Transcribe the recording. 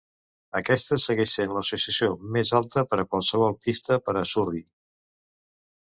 Aquesta segueix sent l'associació més alta per a qualsevol pista per a Surrey.